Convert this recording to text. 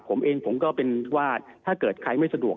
ผมเองผมก็เป็นว่าถ้าเกิดใครไม่สะดวก